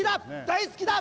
大好きだ！